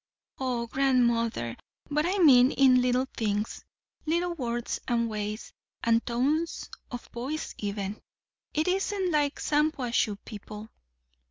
"O grandmother, but I mean in little things; little words and ways, and tones of voice even. It isn't like Shampuashuh people."